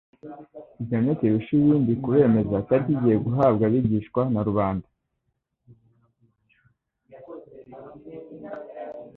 Igihamya kirusha ibindi kubemeza cyari kigiye guhabwa abigishwa na rubanda,